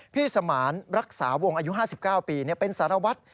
สมานรักษาวงอายุ๕๙ปีเป็นสารวัตร